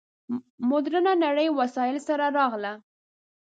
مډرنه نړۍ وسایلو سره راغله.